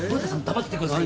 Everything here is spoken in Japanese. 黙っててくださいよ。